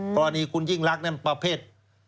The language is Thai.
ตอนนี้คุณยิ่งรักนั่นประเภท